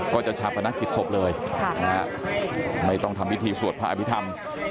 ชาปนักกิจศพเลยไม่ต้องทำพิธีสวดพระอภิษฐรรม